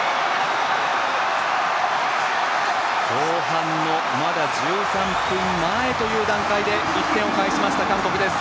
後半のまだ１３分前という段階で１点を返しました、韓国です！